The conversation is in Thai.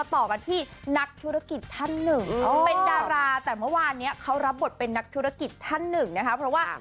ต่อกันที่นักธุรกิจท่านหนึ่งเป็นดาราแต่เมื่อวานเนี้ยเขารับบทเป็นนักธุรกิจท่านหนึ่งนะคะเพราะว่า